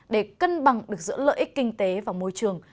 để cân bằng được giữa lợi ích kinh tế và môi trường